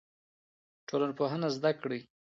ټولنپوهنه زده کړئ.